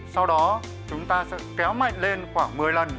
sau đó chúng ta sẽ kéo mạnh lên khoảng một mươi lần